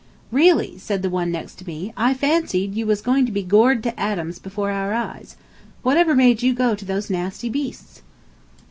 "Really," said the one next to me, "I fancied you was going to be gored to atoms before our eyes. Whatever made you go to those nasty beasts?"